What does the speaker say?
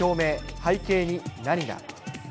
背景に何が。